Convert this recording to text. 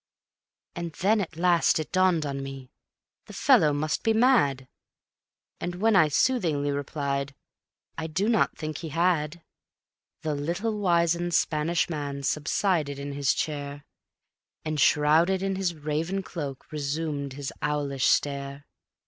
_" And then at last it dawned on me, the fellow must be mad; And when I soothingly replied: "I do not think he had," The little wizened Spanish man subsided in his chair, And shrouded in his raven cloak resumed his owlish stare.